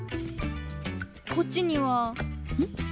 こっちにはん？